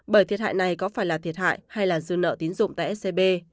bởi thiệt hại này có phải là thiệt hại hay là dư nợ tín dụng tại scb